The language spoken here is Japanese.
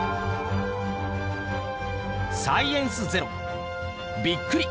「サイエンスＺＥＲＯびっくり！